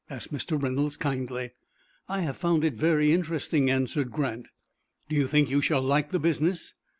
asked Mr. Reynolds, kindly. "I have found it very interesting," answered Grant. "Do you think you shall like the business?"